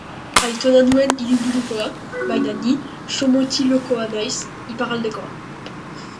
Aitona nuen hiriburukoa, baina ni Somotillokoa naiz, iparraldekoa.